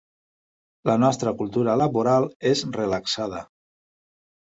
La nostra cultura laboral és relaxada.